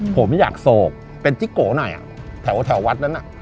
ผมอยากโศกเป็นจิ๊กโกหน่อยแถววัดนั้น